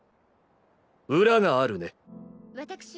裏があるねッ。